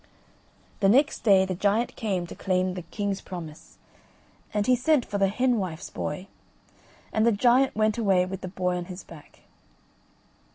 The next day the giant came to claim the king's promise, and he sent for the hen wife's boy; and the giant went away with the boy on his back.